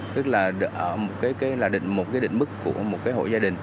tức là ở một cái định mức của một cái hộ gia đình